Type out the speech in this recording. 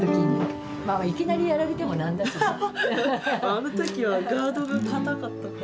あの時はガードが堅かったから。